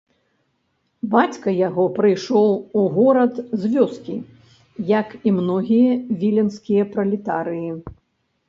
Бацька яго прыйшоў у горад з вёскі, як і многія віленскія пралетарыі.